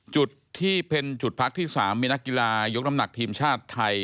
จุดที่เป็นจุดพักที่๓มีนักกีฬายกน้ำหนักทีมชาติไทย